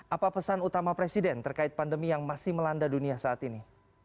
apa pesan utama presiden terkait pandemi yang masih melanda dunia saat ini